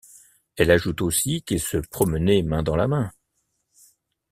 Elle ajoute aussi qu’ils se promenaient main dans la main.